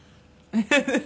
フフフフ。